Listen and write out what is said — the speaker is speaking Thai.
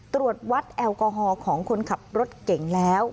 ตรวจวัดแอลกอฮอล์ของคนขับรถเก่งแล้ว